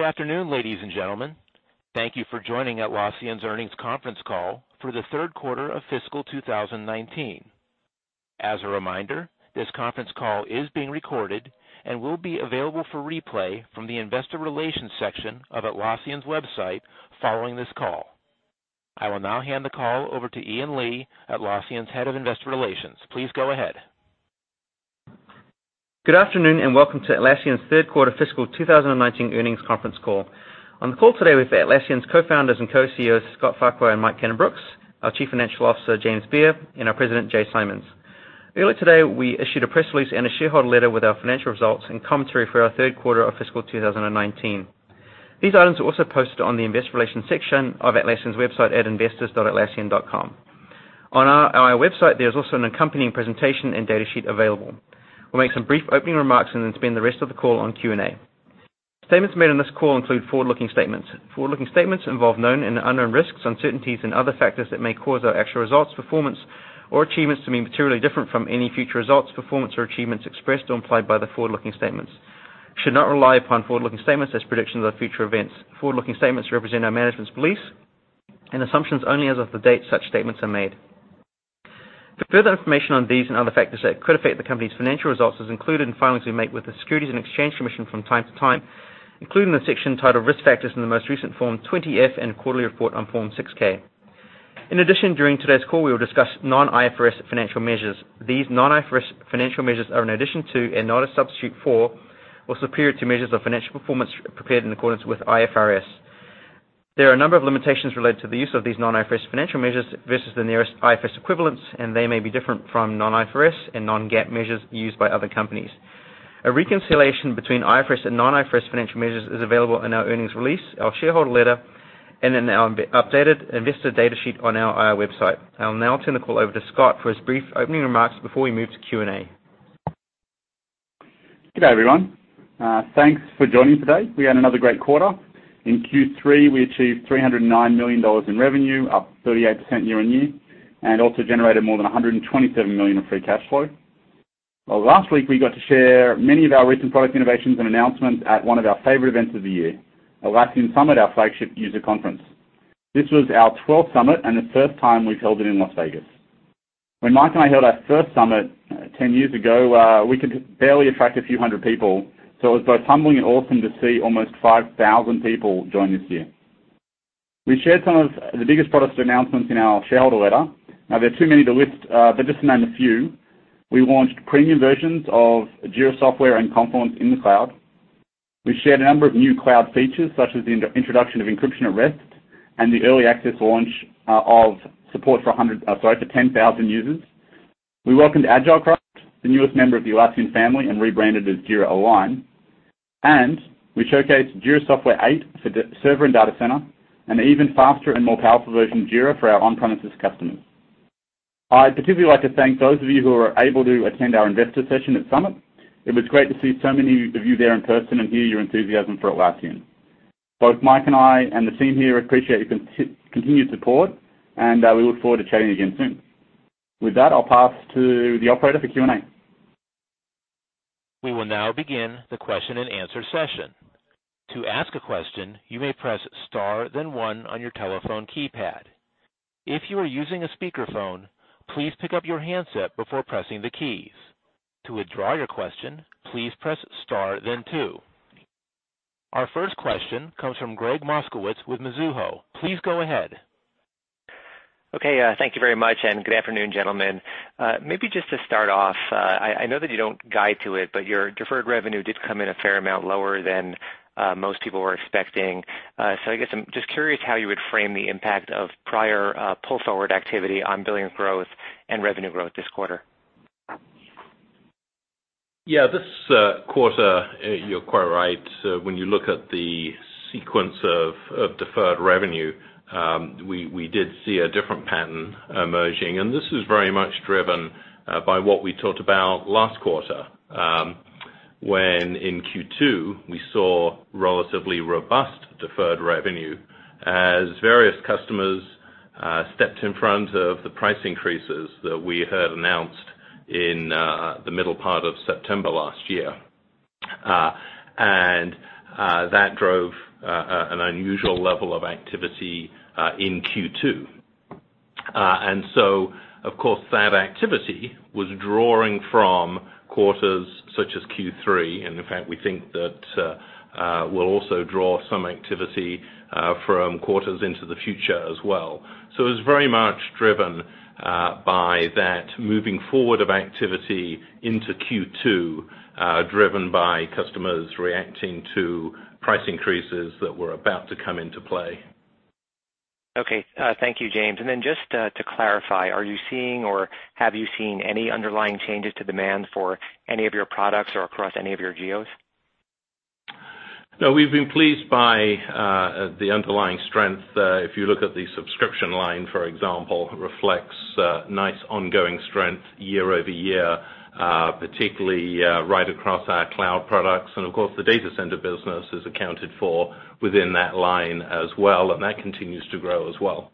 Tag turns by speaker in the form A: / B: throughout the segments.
A: Good afternoon, ladies and gentlemen. Thank you for joining Atlassian's earnings conference call for the third quarter of fiscal 2019. As a reminder, this conference call is being recorded and will be available for replay from the Investor Relations section of Atlassian's website following this call. I will now hand the call over to Ian Lee, Atlassian's Head of Investor Relations. Please go ahead.
B: Good afternoon. Welcome to Atlassian's third quarter fiscal 2019 earnings conference call. On the call today with Atlassian's Co-Founders and Co-CEOs, Scott Farquhar and Mike Cannon-Brookes, our Chief Financial Officer, James Beer, and our President, Jay Simons. Earlier today, we issued a press release and a shareholder letter with our financial results and commentary for our third quarter of fiscal 2019. These items are also posted on the Investor Relations section of Atlassian's website at investors.atlassian.com. On our IR website, there's also an accompanying presentation and data sheet available. We'll make some brief opening remarks. Then spend the rest of the call on Q&A. Statements made on this call include forward-looking statements. Forward-looking statements involve known and unknown risks, uncertainties, and other factors that may cause our actual results, performance, or achievements to be materially different from any future results, performance, or achievements expressed or implied by the forward-looking statements. You should not rely upon forward-looking statements as predictions of future events. Forward-looking statements represent our management's beliefs and assumptions only as of the date such statements are made. For further information on these and other factors that could affect the company's financial results is included in filings we make with the Securities and Exchange Commission from time to time, including the section titled Risk Factors in the most recent Form 20-F and quarterly report on Form 6-K. In addition, during today's call, we will discuss non-IFRS financial measures. These non-IFRS financial measures are in addition to, and not a substitute for, or superior to measures of financial performance prepared in accordance with IFRS. There are a number of limitations related to the use of these non-IFRS financial measures versus the nearest IFRS equivalents, and they may be different from non-IFRS and non-GAAP measures used by other companies. A reconciliation between IFRS and non-IFRS financial measures is available in our earnings release, our shareholder letter, and in our updated investor data sheet on our IR website. I'll now turn the call over to Scott for his brief opening remarks before we move to Q&A.
C: Good day, everyone. Thanks for joining today. We had another great quarter. In Q3, we achieved $309 million in revenue, up 38% year-on-year, and also generated more than $127 million of free cash flow. Last week we got to share many of our recent product innovations and announcements at one of our favorite events of the year, Atlassian Summit, our flagship user conference. This was our 12th Summit and the first time we've held it in Las Vegas. When Mike and I held our first Summit 10 years ago, we could barely attract a few hundred people, so it was both humbling and awesome to see almost 5,000 people join this year. We shared some of the biggest product announcements in our shareholder letter. There are too many to list, but just to name a few, we launched premium versions of Jira Software and Confluence in the cloud. We shared a number of new cloud features, such as the introduction of encryption at rest and the early access launch of support for 10,000 users. We welcomed AgileCraft, the newest member of the Atlassian family, and rebranded as Jira Align. We showcased Jira Software 8.0 for server and Data Center, an even faster and more powerful version of Jira for our on-premises customers. I'd particularly like to thank those of you who were able to attend our investor session at Summit. It was great to see so many of you there in person and hear your enthusiasm for Atlassian. Both Mike and I and the team here appreciate your continued support, and we look forward to chatting again soon. With that, I'll pass to the operator for Q&A.
A: We will now begin the question and answer session. To ask a question, you may press star then one on your telephone keypad. If you are using a speakerphone, please pick up your handset before pressing the keys. To withdraw your question, please press star then two. Our first question comes from Gregg Moskowitz with Mizuho. Please go ahead.
D: Thank you very much, good afternoon, gentlemen. Just to start off, I know that you don't guide to it, but your deferred revenue did come in a fair amount lower than most people were expecting. I guess I'm just curious how you would frame the impact of prior pull forward activity on billing growth and revenue growth this quarter.
E: Yeah, this quarter, you're quite right. When you look at the sequence of deferred revenue, we did see a different pattern emerging. This is very much driven by what we talked about last quarter, when in Q2, we saw relatively robust deferred revenue as various customers stepped in front of the price increases that we had announced in the middle part of September last year. That drove an unusual level of activity in Q2. Of course, that activity was drawing from quarters such as Q3, and in fact, we think that we'll also draw some activity from quarters into the future as well. It was very much driven by that moving forward of activity into Q2, driven by customers reacting to price increases that were about to come into play.
D: Okay. Thank you, James. Just to clarify, are you seeing or have you seen any underlying changes to demand for any of your products or across any of your geos?
E: No, we've been pleased by the underlying strength. If you look at the subscription line, for example, reflects nice ongoing strength year-over-year, particularly right across our cloud products. Of course, the Data Center business is accounted for within that line as well, and that continues to grow as well.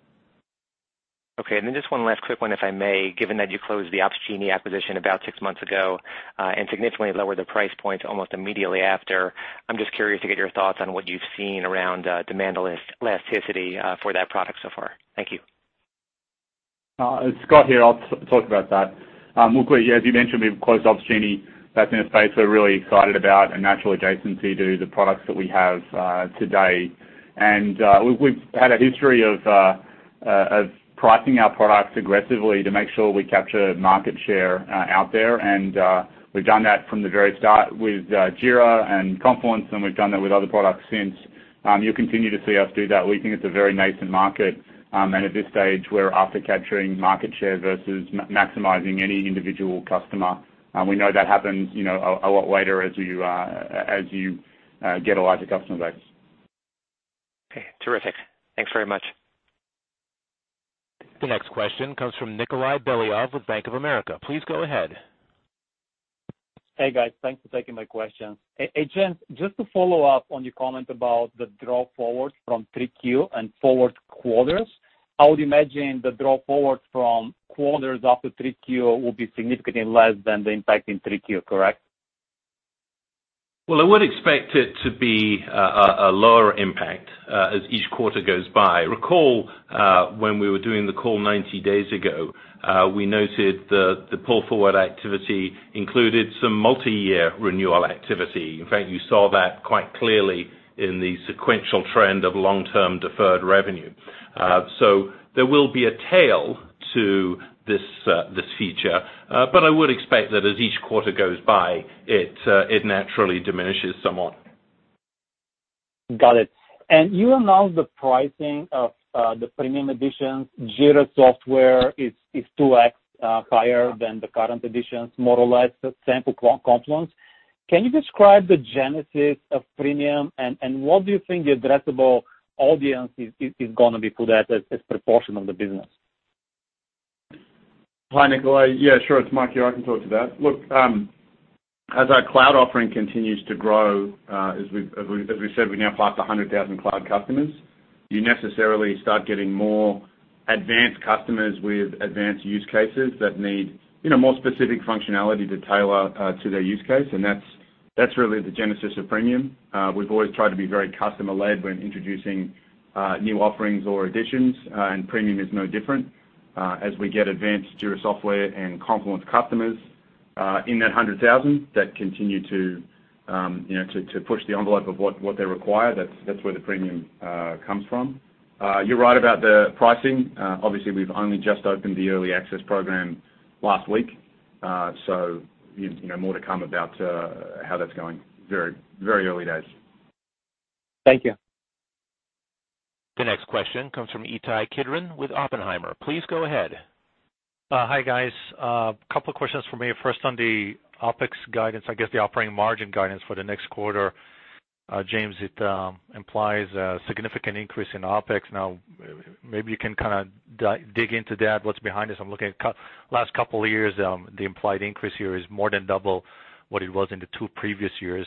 D: Okay. Just one last quick one, if I may. Given that you closed the Opsgenie acquisition about six months ago, and significantly lowered the price points almost immediately after, I'm just curious to get your thoughts on what you've seen around demand elasticity for that product so far. Thank you.
C: Scott here. I'll talk about that. Look, as you mentioned, we've closed Opsgenie. That's in a space we're really excited about, a natural adjacency to the products that we have today. We've had a history of pricing our products aggressively to make sure we capture market share out there. We've done that from the very start with Jira and Confluence, and we've done that with other products since. You'll continue to see us do that. We think it's a very nascent market, and at this stage, we're after capturing market share versus maximizing any individual customer. We know that happens a lot later as you get a larger customer base.
D: Okay. Terrific. Thanks very much.
A: The next question comes from Nikolay Beliov with Bank of America. Please go ahead.
F: Hey, guys. Thanks for taking my question. Hey, James, just to follow up on your comment about the draw forward from 3Q and forward quarters, I would imagine the draw forward from quarters after 3Q will be significantly less than the impact in 3Q, correct?
E: I would expect it to be a lower impact, as each quarter goes by. Recall, when we were doing the call 90 days ago, we noted the pull-forward activity included some multi-year renewal activity. In fact, you saw that quite clearly in the sequential trend of long-term deferred revenue. There will be a tail to this feature. I would expect that as each quarter goes by, it naturally diminishes somewhat.
F: Got it. You announced the pricing of the premium editions, Jira Software is 2X higher than the current editions, more or less the same for Confluence. Can you describe the genesis of premium and what do you think the addressable audience is going to be for that as proportion of the business?
G: Hi, Nikolay. Yeah, sure. It's Mike here, I can talk to that. As our cloud offering continues to grow, as we've said, we're now past 100,000 cloud customers. You necessarily start getting more advanced customers with advanced use cases that need more specific functionality to tailor to their use case. That's really the genesis of premium. We've always tried to be very customer-led when introducing new offerings or additions, and premium is no different. As we get advanced Jira Software and Confluence customers in that 100,000 that continue to push the envelope of what they require, that's where the premium comes from. You're right about the pricing. Obviously, we've only just opened the early access program last week. More to come about how that's going. Very early days.
F: Thank you.
A: The next question comes from Ittai Kidron with Oppenheimer. Please go ahead.
H: Hi, guys. Couple of questions from me. First on the OpEx guidance, I guess the operating margin guidance for the next quarter. James, it implies a significant increase in OpEx. Maybe you can dig into that. What's behind this? I'm looking at last couple of years, the implied increase here is more than double what it was in the two previous years.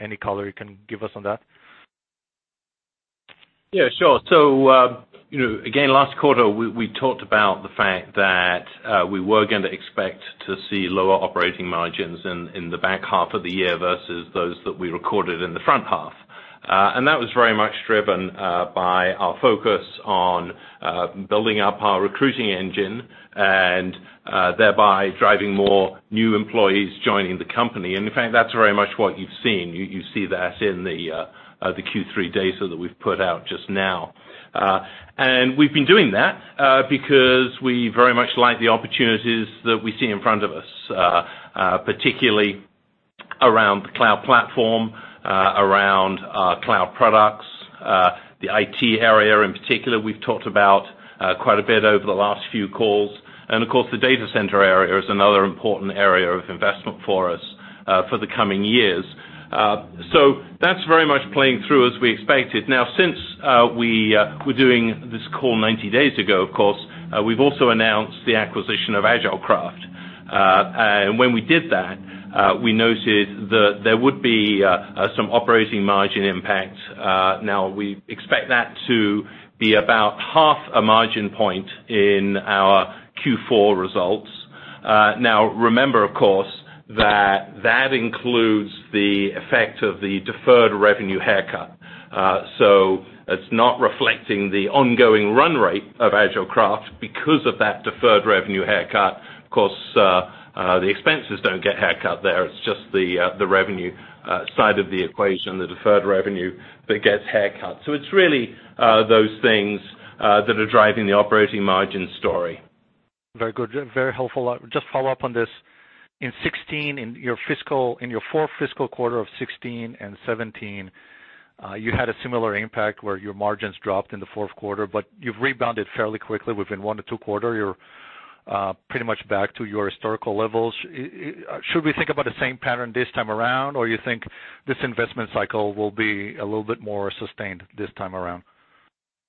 H: Any color you can give us on that?
E: Yeah, sure. Again, last quarter, we talked about the fact that we were going to expect to see lower operating margins in the back half of the year versus those that we recorded in the front half. That was very much driven by our focus on building up our recruiting engine and, thereby, driving more new employees joining the company. In fact, that's very much what you've seen. You see that in the Q3 data that we've put out just now. We've been doing that because we very much like the opportunities that we see in front of us, particularly around the cloud platform, around our cloud products, the IT area in particular, we've talked about quite a bit over the last few calls. Of course, the data center area is another important area of investment for us, for the coming years. That's very much playing through as we expected. Since we're doing this call 90 days ago, of course, we've also announced the acquisition of AgileCraft. When we did that, we noted that there would be some operating margin impact. We expect that to be about half a margin point in our Q4 results. Remember, of course, that that includes the effect of the deferred revenue haircut. It's not reflecting the ongoing run rate of AgileCraft because of that deferred revenue haircut. Of course, the expenses don't get haircut there. It's just the revenue side of the equation, the deferred revenue that gets haircut. It's really those things that are driving the operating margin story.
H: Very good. Very helpful. Just follow up on this. In 2016, in your fourth fiscal quarter of 2016 and 2017, you had a similar impact where your margins dropped in the fourth quarter, but you've rebounded fairly quickly within one to two quarters. You're pretty much back to your historical levels. Should we think about the same pattern this time around, or you think this investment cycle will be a little bit more sustained this time around?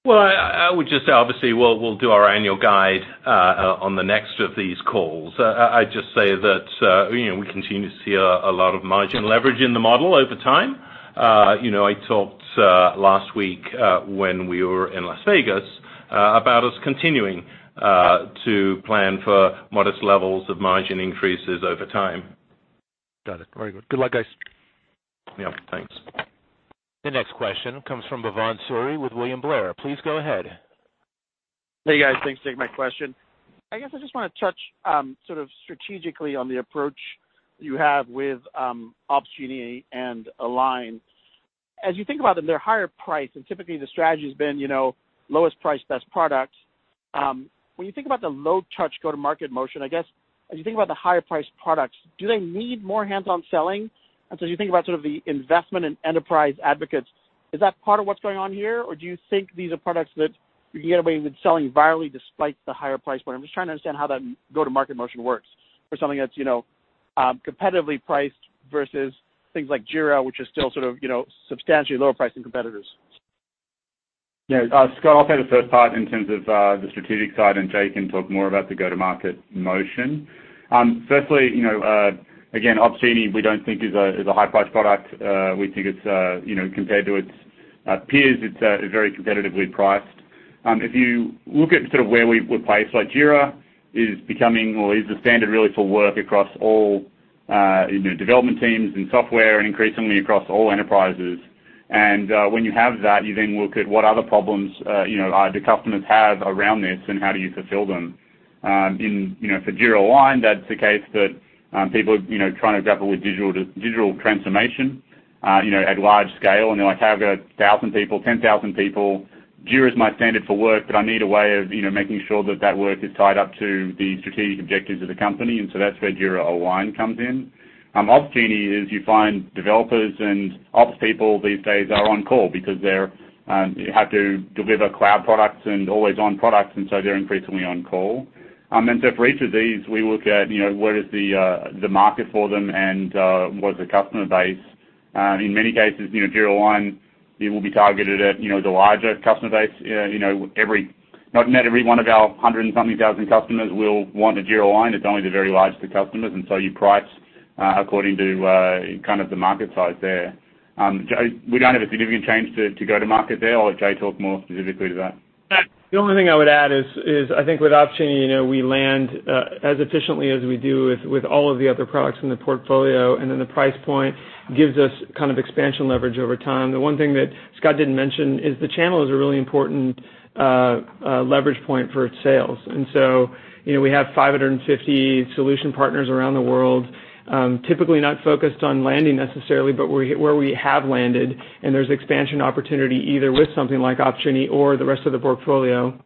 E: Well, I would just say, obviously, we'll do our annual guide on the next of these calls. I'd just say that we continue to see a lot of margin leverage in the model over time.
C: I talked last week when we were in Las Vegas about us continuing to plan for modest levels of margin increases over time.
H: Got it. Very good. Good luck, guys.
C: Yeah, thanks.
A: The next question comes from Bhavan Suri with William Blair. Please go ahead.
I: Hey, guys. Thanks for taking my question. I guess I just want to touch sort of strategically on the approach you have with Opsgenie and Align. As you think about them, they're higher priced. Typically the strategy has been lowest price, best product. When you think about the low-touch go-to-market motion, I guess as you think about the higher priced products, do they need more hands-on selling? As you think about sort of the investment in enterprise advocates, is that part of what's going on here? Or do you think these are products that you can get away with selling virally despite the higher price point? I'm just trying to understand how that go-to-market motion works for something that's competitively priced versus things like Jira, which is still sort of substantially lower priced than competitors.
C: Yeah. Scott will take the first part in terms of the strategic side. Jay can talk more about the go-to-market motion. Firstly, again, Opsgenie we don't think is a high priced product. We think compared to its peers, it's very competitively priced. If you look at sort of where we're placed, like Jira is becoming or is the standard really for work across all development teams and software. Increasingly across all enterprises. When you have that, you then look at what other problems the customers have around this and how do you fulfill them. For Jira Align, that's the case that people are trying to grapple with digital transformation at large scale. They're like, "I have 1,000 people, 10,000 people. Jira's my standard for work, I need a way of making sure that that work is tied up to the strategic objectives of the company, That's where Jira Align comes in. Opsgenie is, you find developers and Ops people these days are on call because they have to deliver cloud products and always on products, They're increasingly on call. For each of these, we look at what is the market for them and what is the customer base. In many cases, Jira Align, it will be targeted at the larger customer base. Not every one of our 100 and something thousand customers will want a Jira Align. It's only the very largest of customers, you price according to kind of the market size there. We don't have a significant change to go to market there. I'll let Jay talk more specifically to that.
J: The only thing I would add is I think with Opsgenie, we land as efficiently as we do with all of the other products in the portfolio, the price point gives us kind of expansion leverage over time. The one thing that Scott didn't mention is the channel is a really important leverage point for its sales. We have 550 solution partners around the world, typically not focused on landing necessarily, but where we have landed and there's expansion opportunity either with something like Opsgenie or the rest of the portfolio,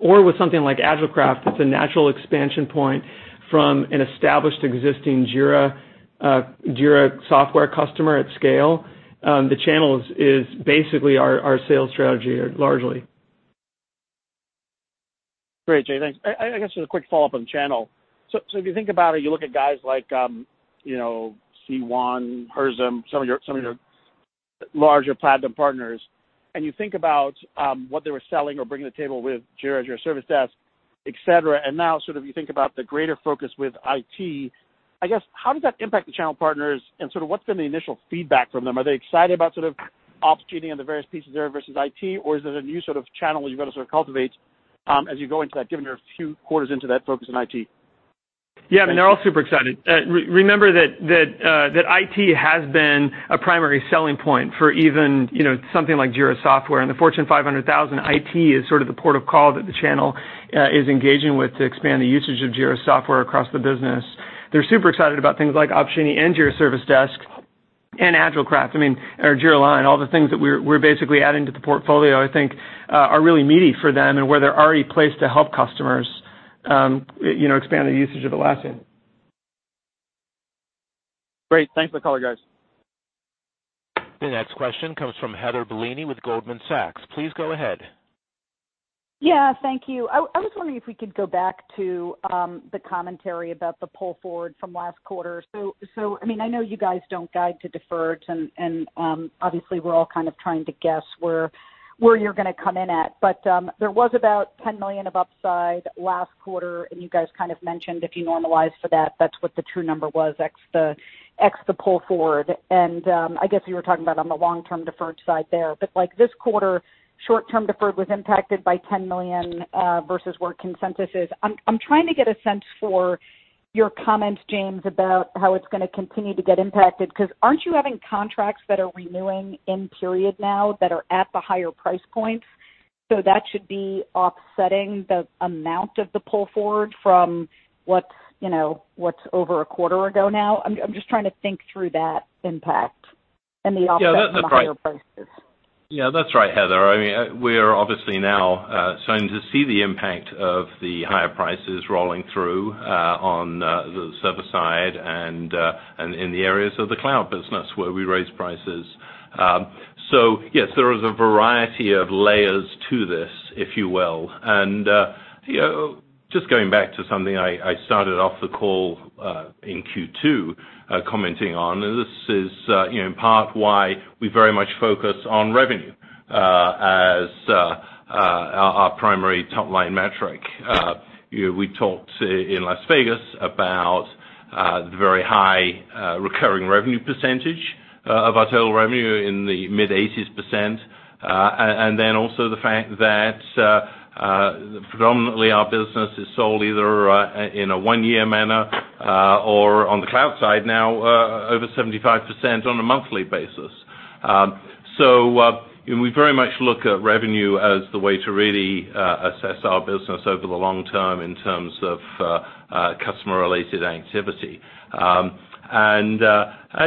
J: or with something like AgileCraft that's a natural expansion point from an established existing Jira Software customer at scale. The channel is basically our sales strategy, largely.
I: Great, Jay. Thanks. I guess just a quick follow-up on the channel. If you think about it, you look at guys like C1, Herzum, some of your larger platinum partners, you think about what they were selling or bringing to the table with Jira Service Desk, et cetera. Now, sort of you think about the greater focus with IT, I guess, how does that impact the channel partners and sort of what's been the initial feedback from them? Are they excited about sort of Opsgenie and the various pieces there versus IT, or is it a new sort of channel that you've got to sort of cultivate as you go into that, given you're a few quarters into that focus in IT?
J: Yeah, I mean, they're all super excited. Remember that IT has been a primary selling point for even something like Jira Software. In the Fortune 500, IT is sort of the port of call that the channel is engaging with to expand the usage of Jira Software across the business. They're super excited about things like Opsgenie and Jira Service Desk and AgileCraft. I mean, Jira Align, all the things that we're basically adding to the portfolio, I think are really meaty for them and where they're already placed to help customers expand the usage of Atlassian.
I: Great. Thanks for the color, guys.
A: The next question comes from Heather Bellini with Goldman Sachs. Please go ahead.
K: Thank you. I mean, I know you guys don't guide to deferred, and obviously, we're all kind of trying to guess where you're going to come in at. There was about $10 million of upside last quarter, and you guys kind of mentioned if you normalize for that's what the true number was, ex the pull forward. I guess you were talking about on the long-term deferred side there. Like this quarter, short-term deferred was impacted by $10 million versus where consensus is. I'm trying to get a sense for your comments, James, about how it's going to continue to get impacted, because aren't you having contracts that are renewing in period now that are at the higher price points? That should be offsetting the amount of the pull forward from what's over a quarter ago now. I'm just trying to think through that impact and the offset from the higher prices.
E: Yeah, that's right, Heather. I mean, we're obviously now starting to see the impact of the higher prices rolling through on the server side and in the areas of the cloud business where we raised prices. Yes, there is a variety of layers to this, if you will. Just going back to something I started off the call in Q2 commenting on, this is in part why we very much focus on revenue as Our primary top-line metric. We talked in Las Vegas about the very high recurring revenue percentage of our total revenue in the mid-80s%. The fact that predominantly our business is sold either in a one-year manner or on the cloud side now over 75% on a monthly basis. We very much look at revenue as the way to really assess our business over the long term in terms of customer-related activity.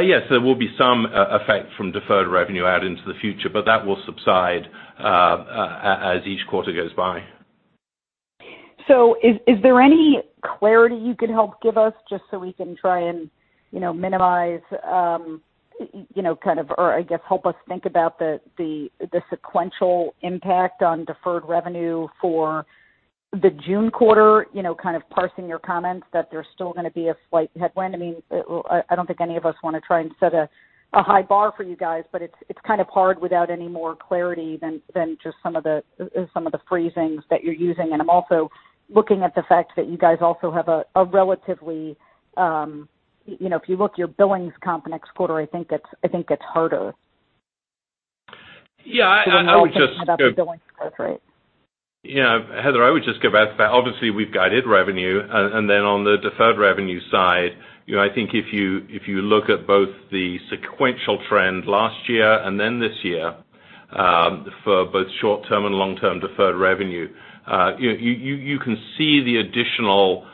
E: Yes, there will be some effect from deferred revenue out into the future, but that will subside as each quarter goes by.
K: Is there any clarity you could help give us just so we can try and minimize or help us think about the sequential impact on deferred revenue for the June quarter, parsing your comments that there's still going to be a slight headwind? I don't think any of us want to try and set a high bar for you guys, but it's hard without any more clarity than just some of the phrasings that you're using. I'm also looking at the fact that you guys also have a relatively, if you look your billings comp next quarter, I think it's harder.
E: Yeah.
K: When we think about the billings growth rate.
E: Heather, I would just give out that obviously we've guided revenue. Then on the deferred revenue side, I think if you look at both the sequential trend last year and then this year for both short-term and long-term deferred revenue, you can see the additional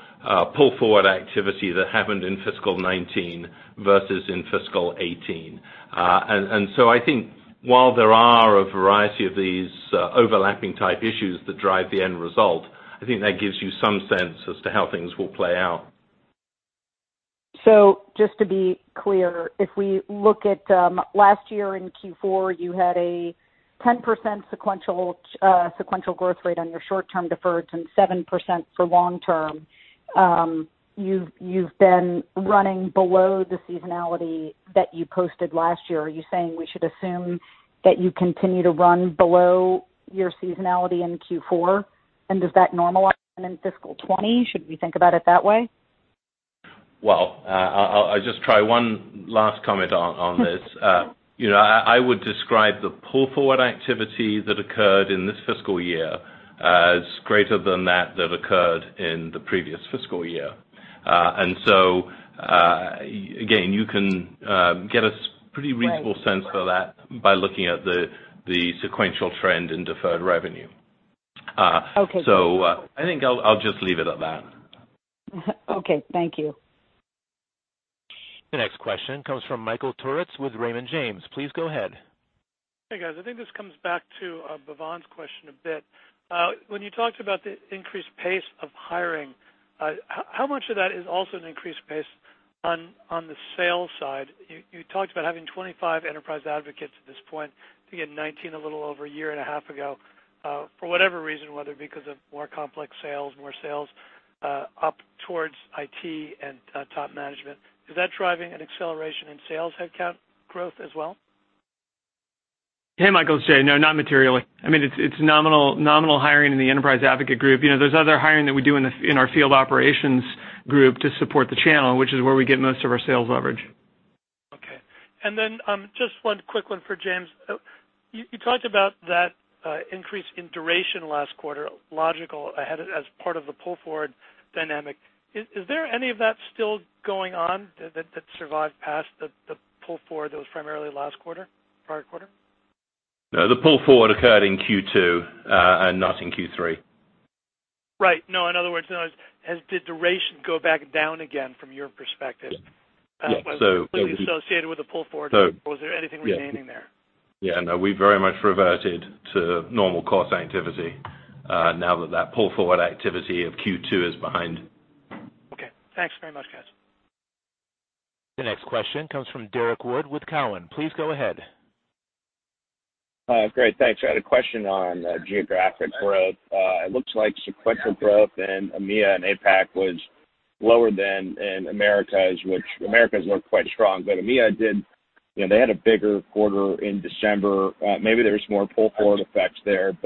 E: pull-forward activity that happened in fiscal 2019 versus in fiscal 2018. So I think while there are a variety of these overlapping type issues that drive the end result, I think that gives you some sense as to how things will play out.
K: Just to be clear, if we look at last year in Q4, you had a 10% sequential growth rate on your short-term deferred and 7% for long-term. You've been running below the seasonality that you posted last year. Are you saying we should assume that you continue to run below your seasonality in Q4? Does that normalize then in fiscal 2020? Should we think about it that way?
E: Well, I'll just try one last comment on this. I would describe the pull-forward activity that occurred in this fiscal year as greater than that that occurred in the previous fiscal year. So, again, you can get a pretty reasonable sense of that by looking at the sequential trend in deferred revenue.
K: Okay.
E: I think I'll just leave it at that.
K: Okay. Thank you.
A: The next question comes from Michael Turrin with Raymond James. Please go ahead.
L: Hey, guys. I think this comes back to Bhavan's question a bit. When you talked about the increased pace of hiring, how much of that is also an increased pace on the sales side? You talked about having 25 enterprise advocates at this point. I think you had 19 a little over a year and a half ago. For whatever reason, whether because of more complex sales, more sales up towards IT and top management, is that driving an acceleration in sales headcount growth as well?
J: Hey, Michael Turrin. It's Jay Simons. Not materially. It's nominal hiring in the enterprise advocate group. There's other hiring that we do in our field operations group to support the channel, which is where we get most of our sales leverage.
L: Okay. Just one quick one for James Beer. You talked about that increase in duration last quarter, logical as part of the pull-forward dynamic. Is there any of that still going on that survived past the pull forward that was primarily last quarter, prior quarter?
E: The pull forward occurred in Q2 and not in Q3.
L: Right. In other words, did duration go back down again from your perspective?
E: Yeah.
L: That was completely associated with the pull forward. Was there anything remaining there?
E: Yeah, no, we very much reverted to normal course activity now that that pull-forward activity of Q2 is behind.
L: Okay. Thanks very much, guys.
A: The next question comes from Derrick Wood with Cowen. Please go ahead.
M: Great. Thanks. I had a question on geographic growth. It looks like sequential growth in EMEA and APAC was lower than in Americas, which Americas looked quite strong. EMEA did, they had a bigger quarter in December. Maybe there's more pull-forward effects there.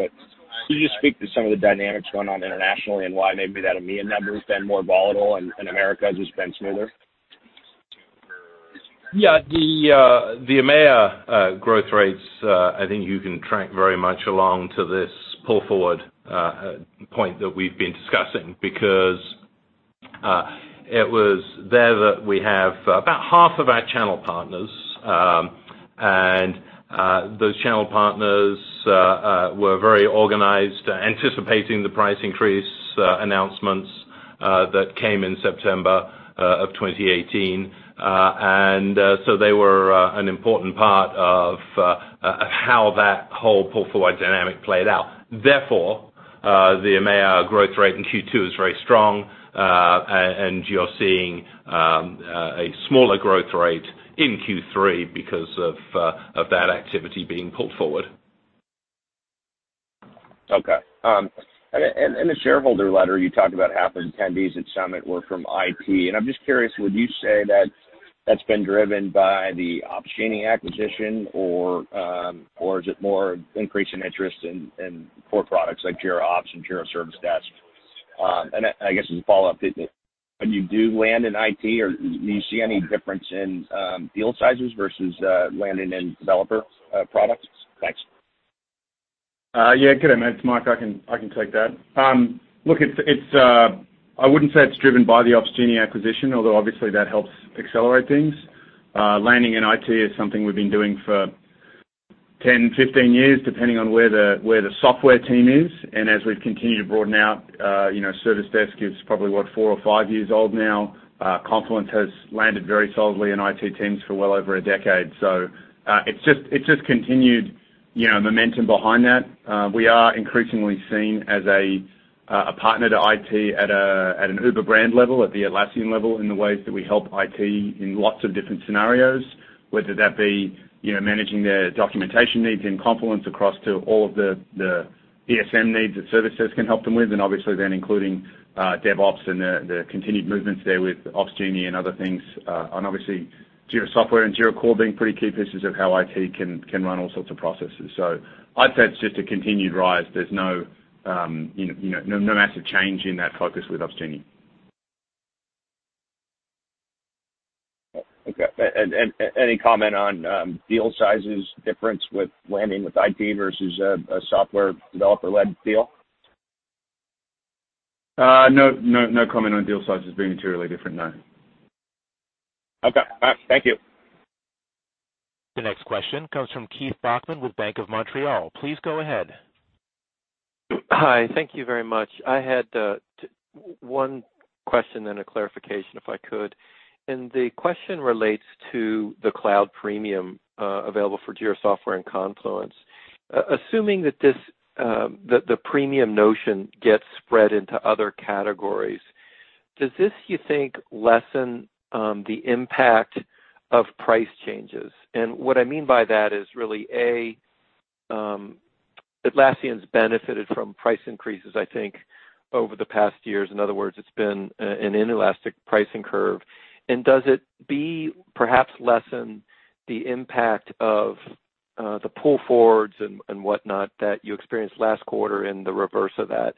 M: Could you speak to some of the dynamics going on internationally and why maybe that EMEA number has been more volatile and America has just been smoother?
E: Yeah. The EMEA growth rates I think you can track very much along to this pull-forward point that we've been discussing because it was there that we have about half of our channel partners, and those channel partners were very organized, anticipating the price increase announcements that came in September of 2018. They were an important part of how that whole pull-forward dynamic played out. Therefore, the EMEA growth rate in Q2 is very strong, and you're seeing a smaller growth rate in Q3 because of that activity being pulled forward.
M: Okay. In the shareholder letter, you talked about half the attendees at Atlassian Summit were from IT. I'm just curious, would you say that's been driven by the Opsgenie acquisition, or is it more increase in interest in core products like Jira Ops and Jira Service Desk? I guess as a follow-up, when you do land in IT, do you see any difference in deal sizes versus landing in developer products? Thanks.
G: Yeah. Good day, mate. It's Mike. I can take that. Look, I wouldn't say it's driven by the Opsgenie acquisition, although obviously that helps accelerate things. Landing in IT is something we've been doing for 10, 15 years, depending on where the software team is. As we've continued to broaden out, Service Desk is probably, what, four or five years old now. Confluence has landed very solidly in IT teams for well over a decade. It's just continued momentum behind that. We are increasingly seen as a partner to IT at an uber brand level, at the Atlassian level, in the ways that we help IT in lots of different scenarios, whether that be managing their documentation needs in Confluence across to all of the ESM needs that Service Desk can help them with, obviously then including DevOps and the continued movements there with Opsgenie and other things. Obviously, Jira Software and Jira Core being pretty key pieces of how IT can run all sorts of processes. I'd say it's just a continued rise. There's no massive change in that focus with Opsgenie.
M: Okay. Any comment on deal sizes difference with landing with IT versus a software developer-led deal?
G: No comment on deal sizes being materially different, no.
M: Okay. All right, thank you.
A: The next question comes from Keith Bachman with Bank of Montreal. Please go ahead.
N: Hi. Thank you very much. I had one question and a clarification, if I could. The question relates to the Cloud Premium available for Jira Software and Confluence. Assuming that the premium notion gets spread into other categories, does this, you think, lessen the impact of price changes? What I mean by that is really, A, Atlassian's benefited from price increases, I think, over the past years. In other words, it's been an inelastic pricing curve. Does it, B, perhaps lessen the impact of the pull forwards and whatnot that you experienced last quarter and the reverse of that?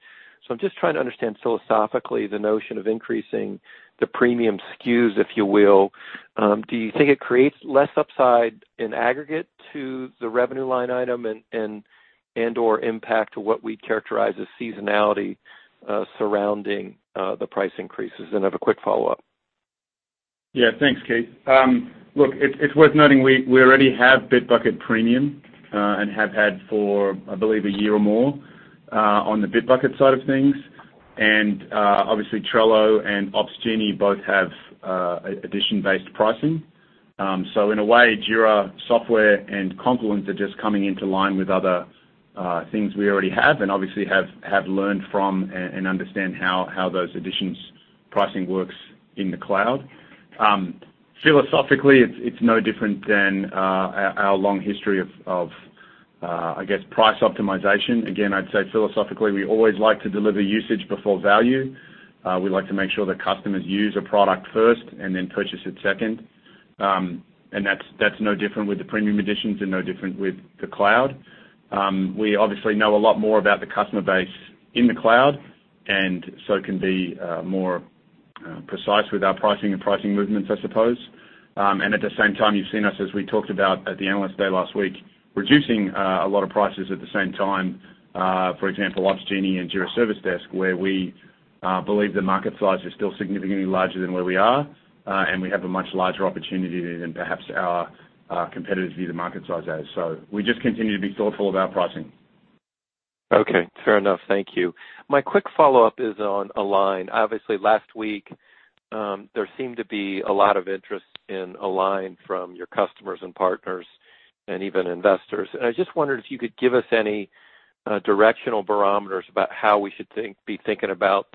N: I'm just trying to understand philosophically the notion of increasing the premium SKUs, if you will. Do you think it creates less upside in aggregate to the revenue line item and/or impact to what we'd characterize as seasonality surrounding the price increases? I have a quick follow-up.
G: Yeah. Thanks, Keith. Look, it's worth noting we already have Bitbucket Premium and have had for, I believe, a year or more on the Bitbucket side of things. Obviously Trello and Opsgenie both have addition-based pricing. In a way, Jira Software and Confluence are just coming into line with other things we already have, and obviously have learned from and understand how those additions' pricing works in the cloud. Philosophically, it's no different than our long history of, I guess, price optimization. Again, I'd say philosophically, we always like to deliver usage before value. We like to make sure that customers use a product first and then purchase it second. That's no different with the premium editions and no different with the cloud. We obviously know a lot more about the customer base in the cloud, so can be more precise with our pricing and pricing movements, I suppose. At the same time, you've seen us, as we talked about at the Analyst Day last week, reducing a lot of prices at the same time. For example, Opsgenie and Jira Service Desk, where we believe the market size is still significantly larger than where we are, and we have a much larger opportunity than perhaps our competitors view the market size as. We just continue to be thoughtful about pricing.
N: Okay. Fair enough. Thank you. My quick follow-up is on Align. Obviously, last week, there seemed to be a lot of interest in Align from your customers and partners and even investors. I just wondered if you could give us any directional barometers about how we should be thinking about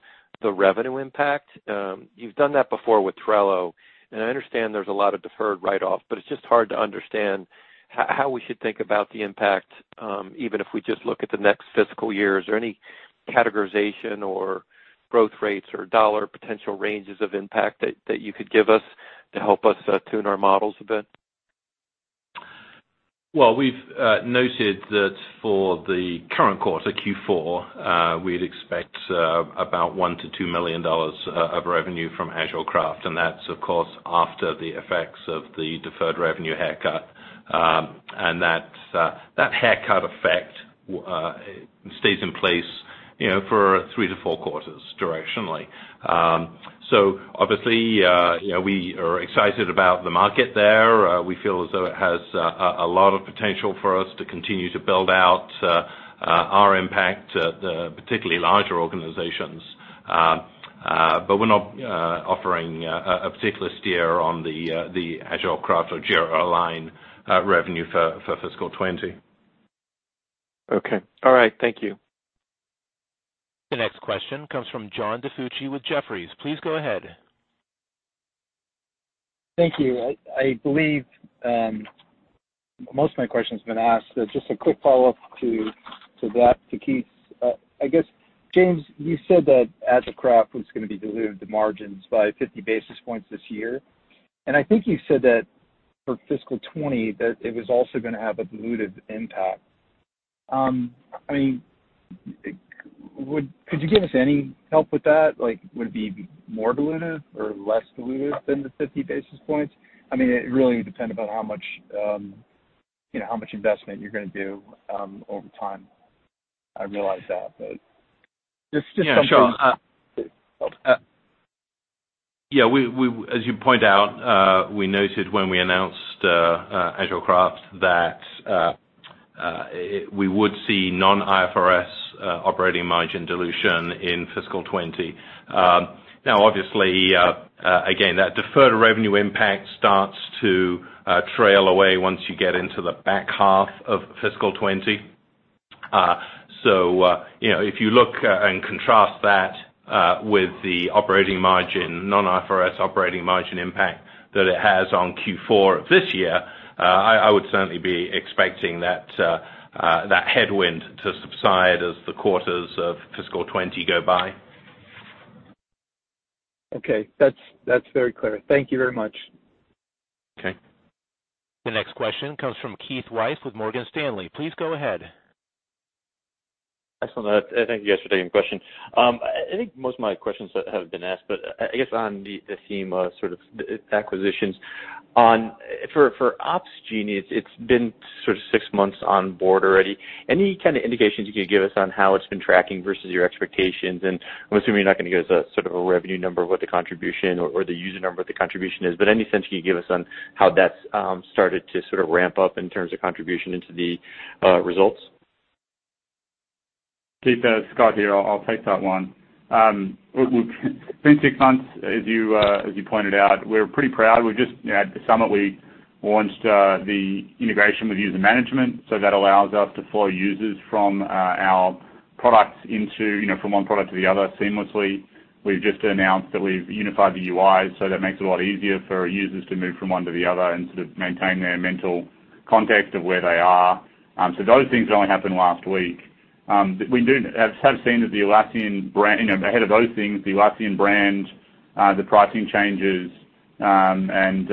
N: the revenue impact. You've done that before with Trello, and I understand there's a lot of deferred write-off, but it's just hard to understand how we should think about the impact, even if we just look at the next fiscal year. Is there any categorization or growth rates or dollar potential ranges of impact that you could give us to help us tune our models a bit?
E: Well, we've noted that for the current quarter, Q4, we'd expect about $1 million to $2 million of revenue from AgileCraft, and that's, of course, after the effects of the deferred revenue haircut. That haircut effect stays in place for three to four quarters directionally. Obviously, we are excited about the market there. We feel as though it has a lot of potential for us to continue to build out our impact to particularly larger organizations. We're not offering a particular steer on the AgileCraft or Jira Align revenue for fiscal 2020.
N: Okay. All right. Thank you.
A: The next question comes from John DiFucci with Jefferies. Please go ahead.
O: Thank you. Most of my question's been asked. Just a quick follow-up to that, to Keith. I guess, James, you said that AgileCraft was going to be dilutive to margins by 50 basis points this year, and I think you said that for fiscal 2020, that it was also going to have a dilutive impact. Could you give us any help with that? Would it be more dilutive or less dilutive than the 50 basis points? It really would depend about how much investment you're going to do over time. I realize that.
E: Yeah, sure. As you point out, we noted when we announced AgileCraft that we would see non-IFRS operating margin dilution in fiscal 2020. Obviously, again, that deferred revenue impact starts to trail away once you get into the back half of fiscal 2020. If you look and contrast that with the non-IFRS operating margin impact that it has on Q4 of this year, I would certainly be expecting that headwind to subside as the quarters of fiscal 2020 go by.
O: Okay. That's very clear. Thank you very much.
E: Okay.
A: The next question comes from Keith Weiss with Morgan Stanley. Please go ahead.
P: Excellent. Thank you guys for taking the question. I think most of my questions have been asked, but I guess on the theme of acquisitions. For Opsgenie, it's been six months on board already. Any kind of indications you could give us on how it's been tracking versus your expectations? I'm assuming you're not going to give us a revenue number of what the contribution or the user number of the contribution is, but any sense you can give us on how that's started to ramp up in terms of contribution into the results?
C: Keith, Scott here. I'll take that one. It's been six months, as you pointed out. We're pretty proud. At the Summit, we launched the integration with user management. That allows us to flow users from one product to the other seamlessly. We've just announced that we've unified the UI. That makes it a lot easier for users to move from one to the other and maintain their mental context of where they are. Those things only happened last week. Ahead of those things, the Atlassian brand, the pricing changes, and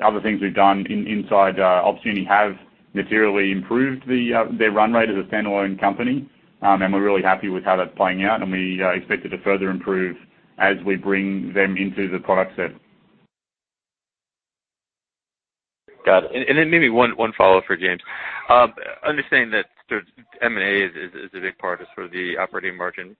C: other things we've done inside Opsgenie have materially improved their run rate as a stand-alone company. We're really happy with how that's playing out, and we expect it to further improve as we bring them into the product set.
P: Got it. Then maybe one follow-up for James. Understanding that M&A is a big part of the operating margin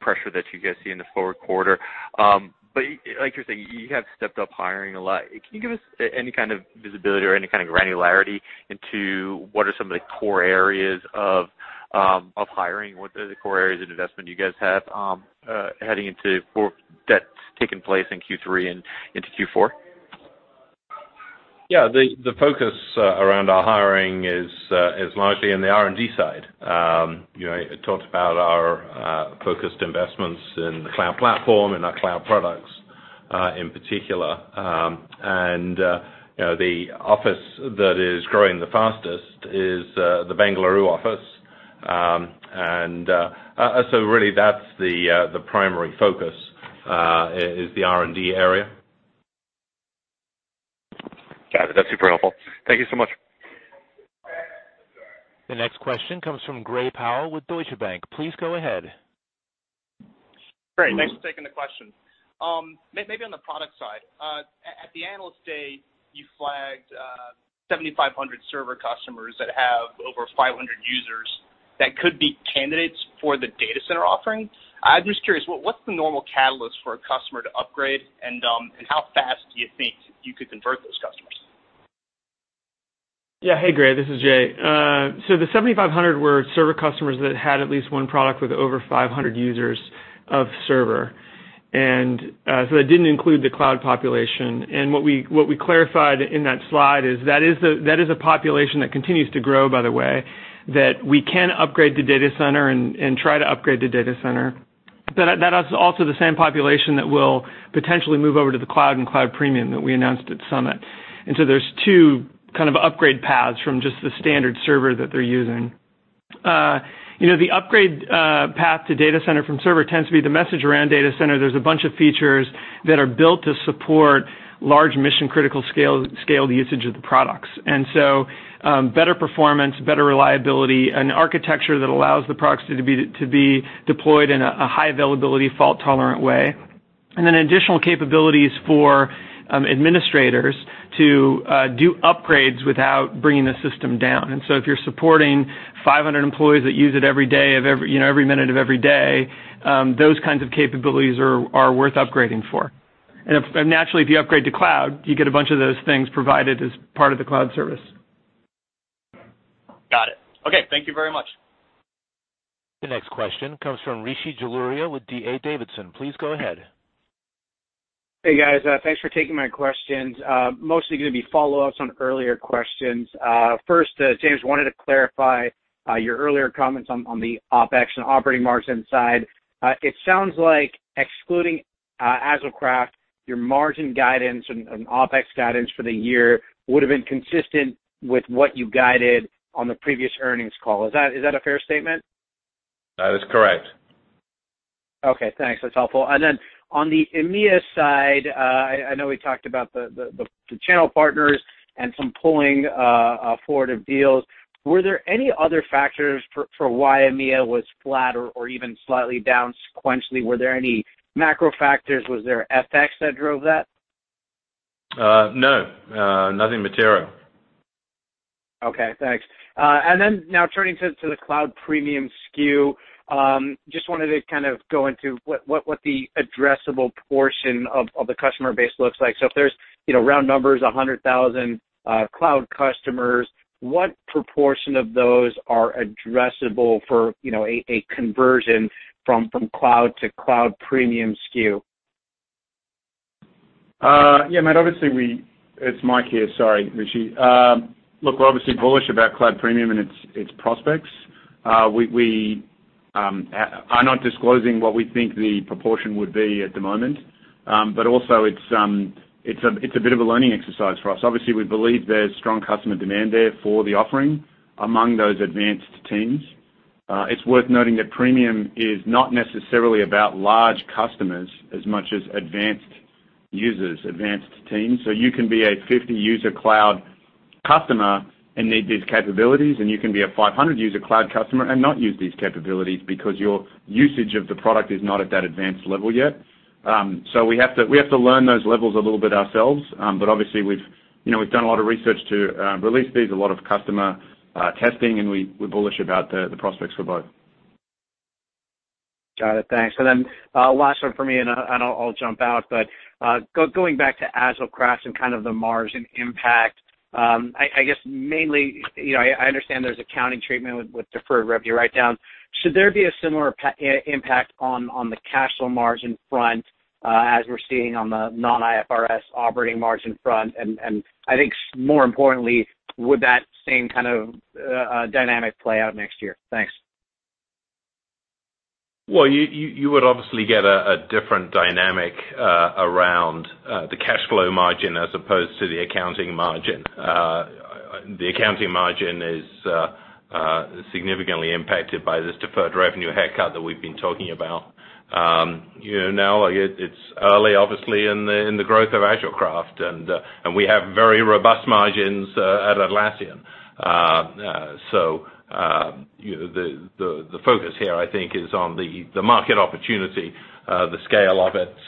P: pressure that you guys see in the forward quarter. Like you're saying, you have stepped up hiring a lot. Can you give us any kind of visibility or any kind of granularity into what are some of the core areas of hiring? What are the core areas of investment you guys have that's taking place in Q3 and into Q4?
E: Yeah. The focus around our hiring is largely in the R&D side. I talked about our focused investments in the cloud platform and our cloud products in particular. The office that is growing the fastest is the Bengaluru office. Really, that's the primary focus is the R&D area.
P: Got it. That's super helpful. Thank you so much.
A: The next question comes from Gray Powell with Deutsche Bank. Please go ahead.
Q: Great. Thanks for taking the question. Maybe on the product side. At the Analyst Day, you flagged 7,500 server customers that have over 500 users that could be candidates for the data center offering. I'm just curious, what's the normal catalyst for a customer to upgrade, and how fast do you think you could convert those customers?
J: Yeah. Hey, Gray, this is Jay. The 7,500 were server customers that had at least one product with over 500 users of server. That didn't include the cloud population. What we clarified in that slide is that is a population that continues to grow, by the way, that we can upgrade to Data Center and try to upgrade to Data Center. That is also the same population that will potentially move over to the cloud and cloud premium that we announced at Summit. There's two upgrade paths from just the standard server that they're using. The upgrade path to Data Center from server tends to be the message around Data Center. There's a bunch of features that are built to support large mission-critical scaled usage of the products. Better performance, better reliability, an architecture that allows the proxy to be deployed in a high availability, fault-tolerant way, then additional capabilities for administrators to do upgrades without bringing the system down. If you're supporting 500 employees that use it every minute of every day, those kinds of capabilities are worth upgrading for. Naturally, if you upgrade to cloud, you get a bunch of those things provided as part of the cloud service.
Q: Got it. Okay. Thank you very much.
A: The next question comes from Rishi Jaluria with D.A. Davidson. Please go ahead.
R: Hey, guys. Thanks for taking my questions. Mostly going to be follow-ups on earlier questions. First, James, wanted to clarify your earlier comments on the OpEx and operating margin side. It sounds like excluding AgileCraft, your margin guidance and OpEx guidance for the year would've been consistent with what you guided on the previous earnings call. Is that a fair statement?
E: That is correct.
R: Okay, thanks. That's helpful. Then on the EMEA side, I know we talked about the channel partners and some pulling forward of deals. Were there any other factors for why EMEA was flat or even slightly down sequentially? Were there any macro factors? Was there FX that drove that?
E: No. Nothing material.
R: Okay, thanks. Turning to the Cloud Premium SKU, just wanted to go into what the addressable portion of the customer base looks like. If there's round numbers, 100,000 Cloud customers, what proportion of those are addressable for a conversion from Cloud to Cloud Premium SKU?
G: Yeah, mate, obviously It's Mike here, sorry, Rishi. We're obviously bullish about Cloud Premium and its prospects. We are not disclosing what we think the proportion would be at the moment. Also it's a bit of a learning exercise for us. Obviously, we believe there's strong customer demand there for the offering among those advanced teams. It's worth noting that premium is not necessarily about large customers as much as advanced users, advanced teams. You can be a 50-user Cloud customer and need these capabilities, and you can be a 500-user Cloud customer and not use these capabilities because your usage of the product is not at that advanced level yet. We have to learn those levels a little bit ourselves. Obviously, we've done a lot of research to release these, a lot of customer testing, and we're bullish about the prospects for both.
R: Got it. Thanks. Last one for me, and I'll jump out. Going back to AgileCraft and the margin impact, I guess mainly, I understand there's accounting treatment with deferred revenue write-down. Should there be a similar impact on the cash flow margin front as we're seeing on the non-IFRS operating margin front? I think more importantly, would that same dynamic play out next year? Thanks.
E: You would obviously get a different dynamic around the cash flow margin as opposed to the accounting margin. The accounting margin is significantly impacted by this deferred revenue haircut that we've been talking about. Now, it's early, obviously, in the growth of AgileCraft, and we have very robust margins at Atlassian. The focus here, I think, is on the market opportunity, the scale of it.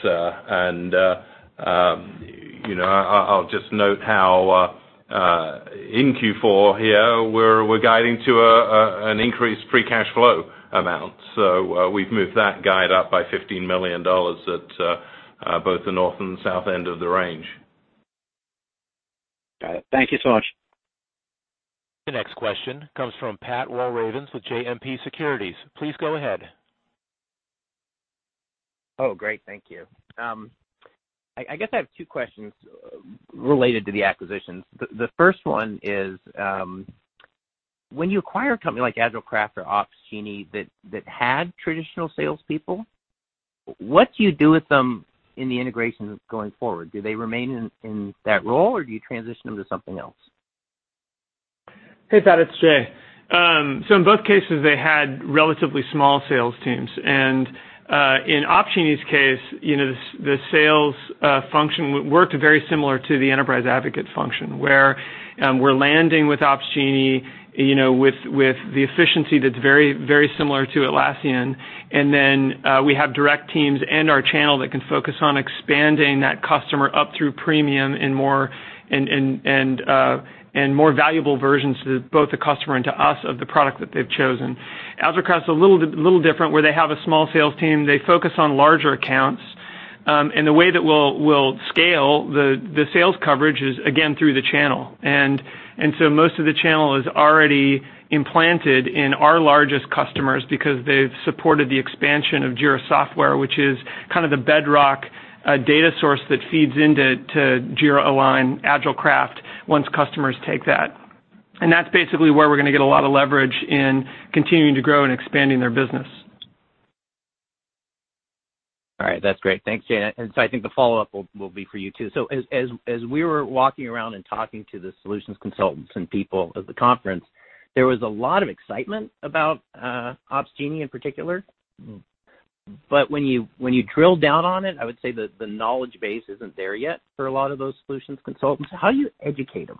E: I'll just note how in Q4 here, we're guiding to an increased free cash flow amount. We've moved that guide up by $15 million at both the north and south end of the range.
R: Got it. Thank you so much.
A: The next question comes from Pat Walravens with JMP Securities. Please go ahead.
S: Oh, great. Thank you. I guess I have two questions related to the acquisitions. The first one is, when you acquire a company like AgileCraft or Opsgenie that had traditional salespeople, what do you do with them in the integration going forward? Do they remain in that role, or do you transition them to something else?
J: Hey, Pat, it's Jay. In both cases, they had relatively small sales teams. In Opsgenie's case, the sales function worked very similar to the enterprise advocate function, where we're landing with Opsgenie, with the efficiency that's very similar to Atlassian, then we have direct teams and our channel that can focus on expanding that customer up through premium and more valuable versions to both the customer and to us of the product that they've chosen. AgileCraft's a little different, where they have a small sales team. They focus on larger accounts. The way that we'll scale the sales coverage is, again, through the channel. Most of the channel is already implanted in our largest customers because they've supported the expansion of Jira Software, which is kind of the bedrock data source that feeds into Jira Align AgileCraft once customers take that. That's basically where we're going to get a lot of leverage in continuing to grow and expanding their business.
S: All right. That's great. Thanks, Jay. I think the follow-up will be for you, too. As we were walking around and talking to the solutions consultants and people at the conference, there was a lot of excitement about Opsgenie in particular. When you drill down on it, I would say the knowledge base isn't there yet for a lot of those solutions consultants. How do you educate them?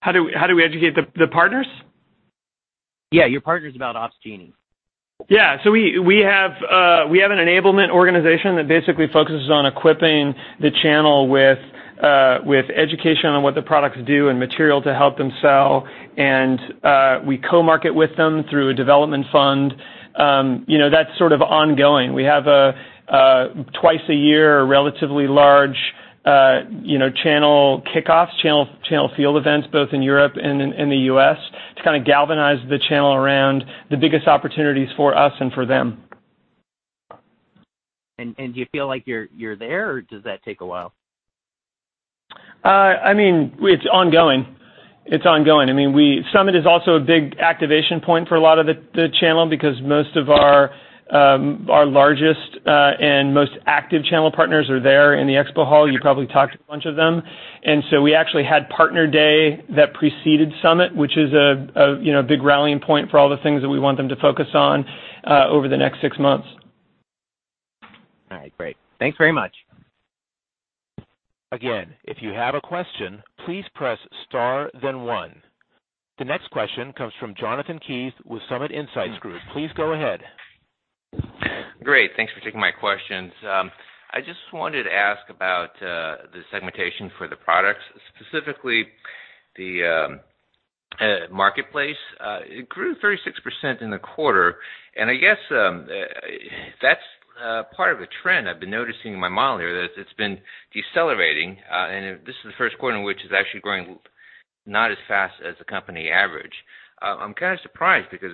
J: How do we educate the partners?
S: Yeah, your partners about Opsgenie.
J: Yeah. We have an enablement organization that basically focuses on equipping the channel with education on what the products do and material to help them sell. We co-market with them through a development fund. That's sort of ongoing. We have a twice a year, relatively large channel kickoffs, channel field events, both in Europe and in the U.S., to kind of galvanize the channel around the biggest opportunities for us and for them.
S: Do you feel like you're there, or does that take a while?
J: It's ongoing. Summit is also a big activation point for a lot of the channel because most of our largest and most active channel partners are there in the expo hall. You probably talked to a bunch of them. We actually had Partner Day that preceded Summit, which is a big rallying point for all the things that we want them to focus on over the next six months.
S: All right, great. Thanks very much.
A: Again, if you have a question, please press star then one. The next question comes from Jonathan Kees with Summit Insights Group. Please go ahead.
T: Great. Thanks for taking my questions. I just wanted to ask about the segmentation for the products, specifically the marketplace. It grew 36% in the quarter. I guess that's part of a trend I've been noticing in my model here, that it's been decelerating. This is the first quarter in which it's actually growing not as fast as the company average. I'm kind of surprised because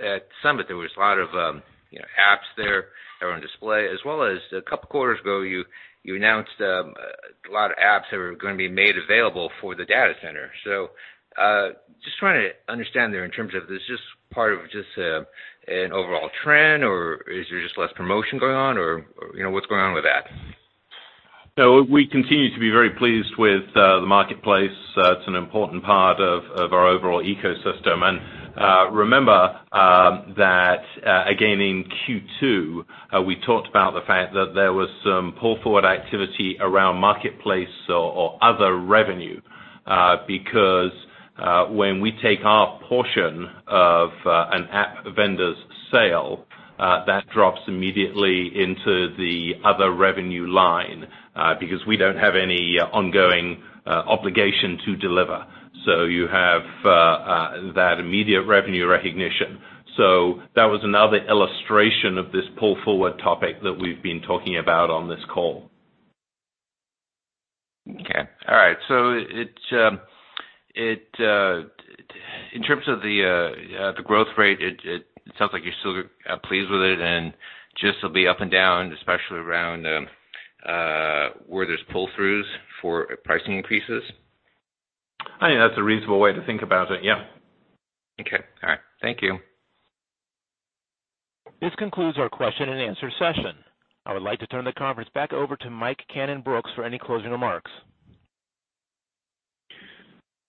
T: at Summit, there was a lot of apps there that were on display, as well as a couple quarters ago, you announced a lot of apps that were going to be made available for the data center. Just trying to understand there in terms of, is this just part of just an overall trend, or is there just less promotion going on, or what's going on with that?
E: No, we continue to be very pleased with the marketplace. It's an important part of our overall ecosystem. Remember that, again, in Q2, we talked about the fact that there was some pull-forward activity around marketplace or other revenue, because when we take our portion of an app vendor's sale, that drops immediately into the other revenue line, because we don't have any ongoing obligation to deliver. You have that immediate revenue recognition. That was another illustration of this pull forward topic that we've been talking about on this call.
T: Okay. All right. In terms of the growth rate, it sounds like you're still pleased with it and just will be up and down, especially around where there's pull-throughs for pricing increases.
E: I think that's a reasonable way to think about it, yeah.
T: Okay. All right. Thank you.
A: This concludes our question and answer session. I would like to turn the conference back over to Mike Cannon-Brookes for any closing remarks.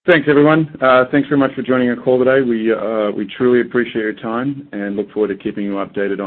G: Thanks, everyone. Thanks very much for joining our call today. We truly appreciate your time and look forward to keeping you updated.